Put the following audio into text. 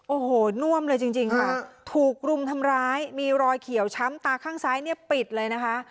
โอ้โหน่วมเลยจริงค่ะถูกรุมทำร้ายมีรอยเขียวช้ำตาข้างซ้ายเนี่ยปิดเลยนะคะ